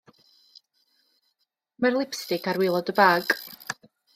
Mae'r lipstic ar waelod y bag.